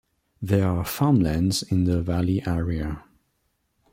There are farmlands in the valley areas.